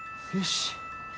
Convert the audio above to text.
よし。